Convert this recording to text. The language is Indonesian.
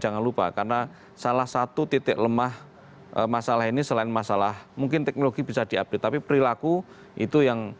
jangan lupa karena salah satu titik lemah masalah ini selain masalah mungkin teknologi bisa diupdate tapi perilaku itu yang